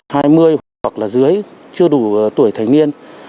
hai mươi hoặc là dưới chưa đủ tuổi thành niên